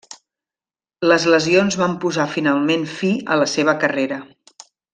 Les lesions van posar finalment fi a la seva carrera.